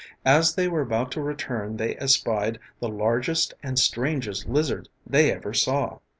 As they were about to return they espied the largest and strangest lizard they ever saw.